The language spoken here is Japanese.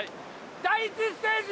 第１ステージ